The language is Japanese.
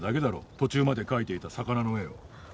途中まで描いていた魚の絵を。